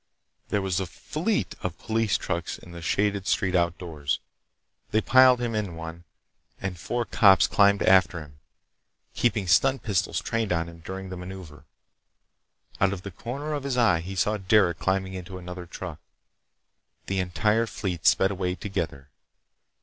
There was a fleet of police trucks in the shaded street outdoors. They piled him in one, and four cops climbed after him, keeping stun pistols trained on him during the maneuver. Out of the corner of his eye he saw Derec climbing into another truck. The entire fleet sped away together.